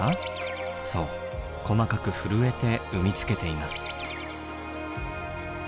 そう細かく震えて産み付けています。